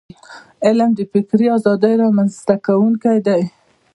علم د فکري ازادی رامنځته کونکی دی.